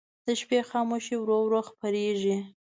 د شپې خاموشي ورو ورو خپرېږي.